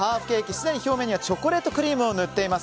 すでに表面にはチョコクリームを塗ってあります。